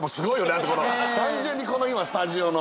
単純にこの今スタジオの。